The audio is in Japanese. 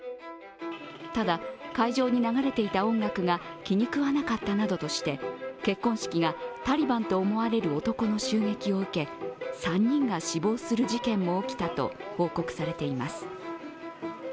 ただ、会場に流れていた音楽が気にくわなかったなどとして結婚式がタリバンと思われる男の襲撃を受け３人が死亡する事件が起きたと報告されています。